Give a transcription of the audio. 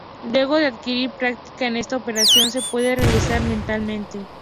Luego de adquirir práctica en esta operación, se puede realizar mentalmente.